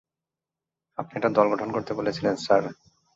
আপনি একটা দল গঠন করতে বলেছিলেন, স্যার।